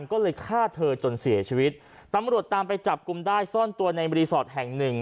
ก็เลยฆ่าเธอจนเสียชีวิตตำรวจตามไปจับกลุ่มได้ซ่อนตัวในรีสอร์ทแห่งหนึ่ง